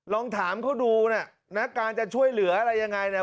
ลองถามเขาดูนะการจะช่วยเหลืออะไรยังไงเนี่ย